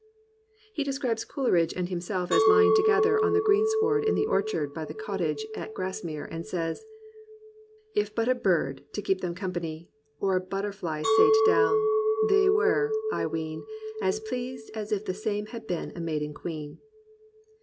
'* He describes Coleridge and himself as lying together on the greensward in the orchard by the cottage at. Grasmere, and says "If but a bird, to keep them compiany. Or butterfly sate do\\Ti, they were, I ween. As pleased as if the same had been a maiden Queen.'